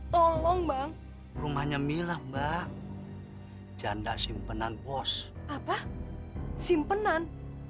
tolong bang rumahnya milah mbak janda simpenan bos apa simpenan